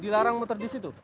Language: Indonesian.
dilarang muter disitu